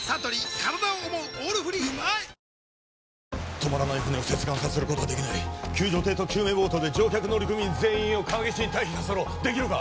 止まらない船を接岸させることはできない救助艇と救命ボートで乗客乗組員全員を川岸に退避させろできるか？